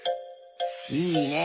いいねえ。